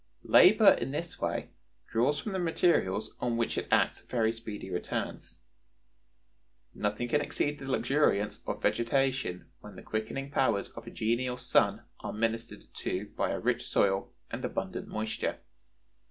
Labor in this way draws from the materials on which it acts very speedy returns. Nothing can exceed the luxuriance of vegetation when the quickening powers of a genial sun are ministered to by a rich soil and abundant moisture.